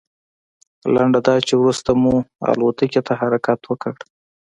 لنډه دا چې وروسته مو الوتکې ته حرکت وکړ.